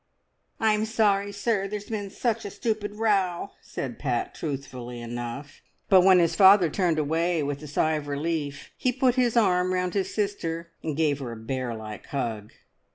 "I'm sorry, sir, there's been such a stupid row," said Pat truthfully enough; but when his father turned away with a sigh of relief, he put his arm round his sister and gave her a bear like hug.